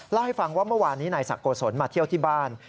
เล่าให้ฟังว่าเมื่อวานนี้นายศักดิ์โกศลมาเที่ยวที่บ้าน